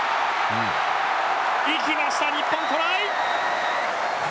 行きました日本トライ！